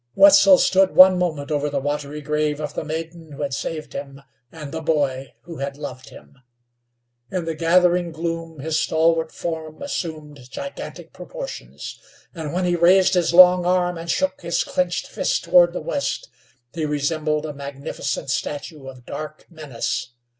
Wetzel stood one moment over the watery grave of the maiden who had saved him, and the boy who had loved him. In the gathering gloom his stalwart form assumed gigantic proportions, and when he raised his long arm and shook his clenched fist toward the west, he resembled a magnificent statue of dark menace.